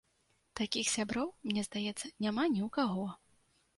Такіх сяброў, мне здаецца, няма ні ў каго.